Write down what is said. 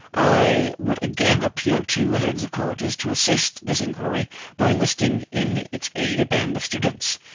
I would again appeal to heads of colleges to assist this inquiry by enlisting in its aid a band of students.